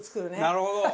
なるほど！